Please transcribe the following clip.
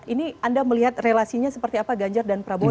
ini anda melihat relasinya seperti apa ganjar dan prabowo